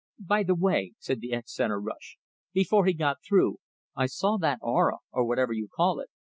"By the way," said the ex centre rush, "before he got through, I saw that aura, or whatever you call it.